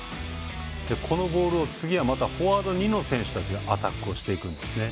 このボールを次はまたフォワード２の選手たちがアタックをしていくんですね。